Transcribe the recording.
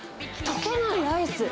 とけないアイス？